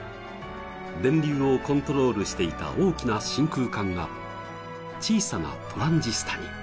電流をコントロールしていた大きな真空管が小さなトランジスタに。